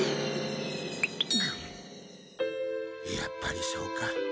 やっぱりそうか。